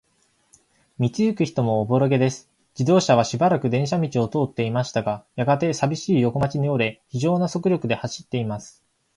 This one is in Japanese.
道ゆく人もおぼろげです。自動車はしばらく電車道を通っていましたが、やがて、さびしい横町に折れ、ひじょうな速力で走っています。